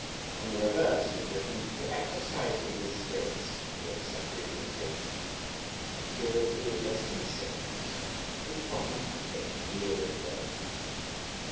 On the reverse was written: 1 To exorcise evil spirits and the accessory visitations; 2 To cure predestined sickness; 3 To prognosticate weal and woe.